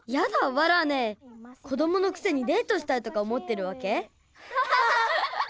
ワラネイ子どものくせにデートしたいとか思ってるわけ？